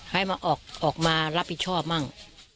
ให้มาออกมารับผิดชอบมั่ง